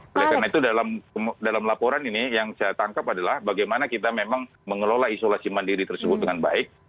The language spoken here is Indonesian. oleh karena itu dalam laporan ini yang saya tangkap adalah bagaimana kita memang mengelola isolasi mandiri tersebut dengan baik